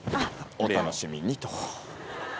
お楽しみにと。